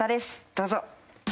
どうぞ。